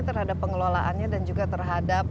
terhadap pengelolaannya dan juga terhadap